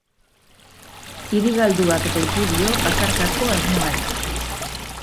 Hiri galduak deitu dio bakarkako asmoari.